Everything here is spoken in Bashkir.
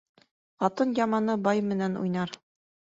Ҡатын яманы бай менән уйнар.